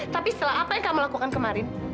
tapi setelah apa yang kamu lakukan kemarin